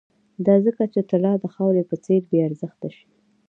دا ځکه چې طلا د خاورې په څېر بې ارزښته شي